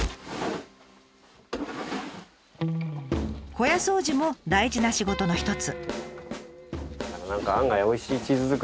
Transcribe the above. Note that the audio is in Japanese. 小屋掃除も大事な仕事の一つ。